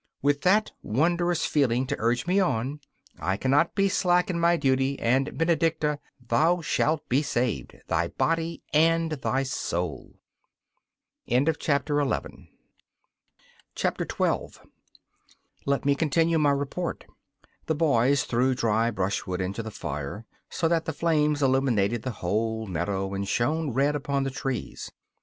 With that wondrous feeling to urge me on, I cannot be slack in my duty, and, Benedicta, thou shalt be saved thy body and thy soul! 12 Let me continue my report. The boys threw dry brushwood into the fire so that the flames illuminated the whole meadow and shone red upon the trees.